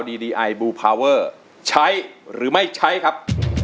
ดีดีไอบลูพาวเวอร์ใช้หรือไม่ใช้ครับ